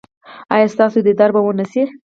ایا ستاسو دیدار به و نه شي؟